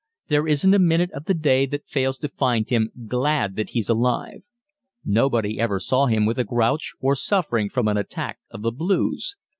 There isn't a minute of the day that fails to find him glad that he's alive. Nobody ever saw him with a "grouch," or suffering from an attack of the "blues."